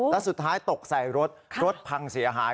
แล้วสุดท้ายตกใส่รถรถพังเสียหาย